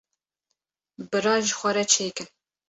bira ji xwe re çê kin.